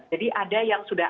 jadi ada yang melihat